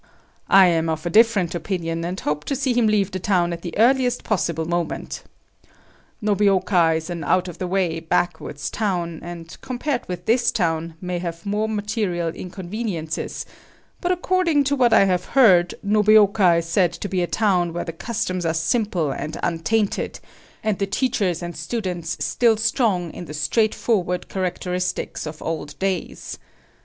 I am of a different opinion, and hope to see him leave the town at the earliest possible moment. Nobeoka is an out of the way, backwoods town, and compared with this town, it may have more material inconveniences, but according to what I have heard, Nobeoka is said to be a town where the customs are simple and untainted, and the teachers and students still strong in the straightforward characteristics of old days.